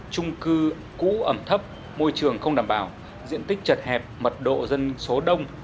trung cư cũ ẩm thấp môi trường không đảm bảo diện tích chật hẹp mật độ dân số đông